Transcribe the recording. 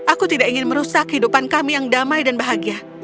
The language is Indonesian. aku tidak ingin merusak kehidupan kami yang damai dan bahagia